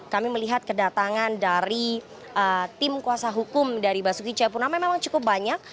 kami melihat kedatangan dari tim kuasa hukum dari basuki cepurnama memang cukup banyak